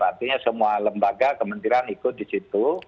artinya semua lembaga kementerian ikut disitu